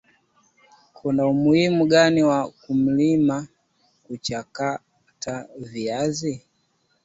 kuna umuhimu gani wa mkulima kuchakata viazi